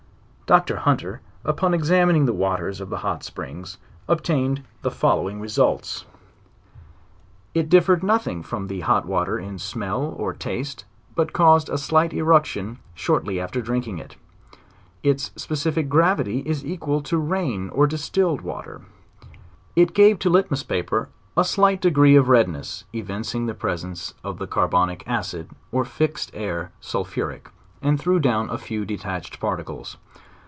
Dr. Hunter, upon examining the waters of the hot springy obtained the following results: 206 JOURNAL OF It differed nothing from the hot water in smell or taste, but caused a slight eruction shortly after drir.king it. Its specific gravity is equal to rain or distilled water. It gave to litmus paper, a slight degree of redness evin cing the presence of the carbonic acid, or fixed air sulphuric and threw down a few detached particles.